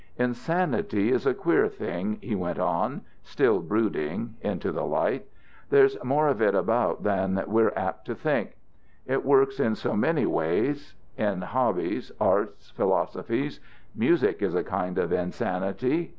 "Insanity is a queer thing," he went on, still brooding into the light. "There's more of it about than we're apt to think. It works in so many ways. In hobbies, arts, philosophies. Music is a kind of insanity.